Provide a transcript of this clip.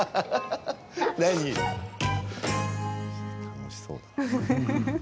楽しそう。